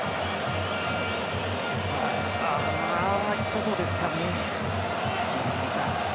外ですかね。